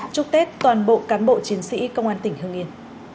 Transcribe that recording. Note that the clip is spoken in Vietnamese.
chúc tết toàn bộ cán bộ chiến sĩ công an tỉnh hương yên